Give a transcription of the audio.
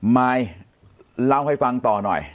มายเล่าให้ฟังต่อหน่อย